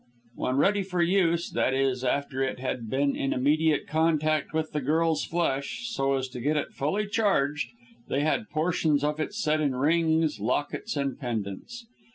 When ready for use, i.e. after it had been in immediate contact with the girl's flesh, so as to get it fully charged, they had portions of it set in rings, lockets and pendants.